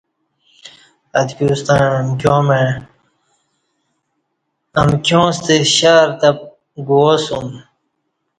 اتکیوستݩع امکیاں مع امکیاں ستہ شہر تہ گوواسوم